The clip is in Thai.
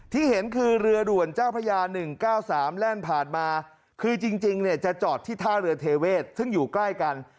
ที่เห็นคือเรือด่วนเจ้าพระยา๑๙๓แล่นผ่านมาคือจริงเนี่ยจะจอดที่ท่าเรือเทเวศซึ่งอยู่ใกล้กัน